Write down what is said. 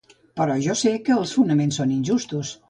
Però jo sé que els fonaments són injustos.